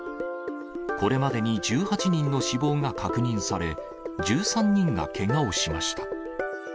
これまでに１８人の死亡が確認され、１３人がけがをしました。